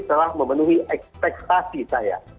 telah memenuhi ekspektasi saya